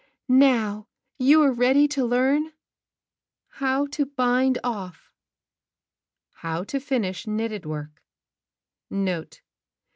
"Now you are ready to learn — How TO Bind Off (How to Finish Knitted Work) Note.